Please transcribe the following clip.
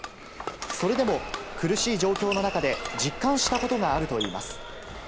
それでも、苦しい状況の中で実感したことがあるといいます。